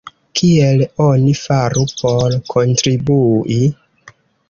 Kiel oni faru por kontribui?